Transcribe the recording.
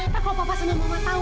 pak kalau papa papa gak mau tahu